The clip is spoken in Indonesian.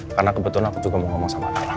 karena kebetulan aku juga mau ngomong sama talang